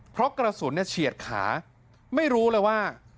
เพราะกระสุนเฉียดขาไม่รู้เลยว่า